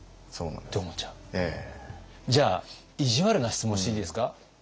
じゃあ意地悪な質問していいですか？